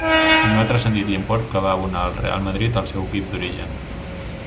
No ha transcendit l'import que va abonar el Real Madrid al seu equip d'origen.